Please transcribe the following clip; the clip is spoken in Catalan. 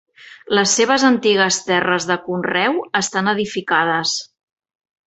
Les seves antigues terres de conreu estan edificades.